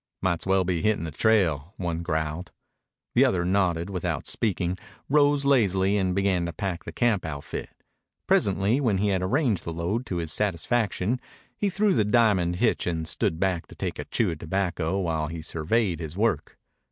"Might's well be hittin' the trail," one growled. The other nodded without speaking, rose lazily, and began to pack the camp outfit. Presently, when he had arranged the load to his satisfaction, he threw the diamond hitch and stood back to take a chew of tobacco while he surveyed his work.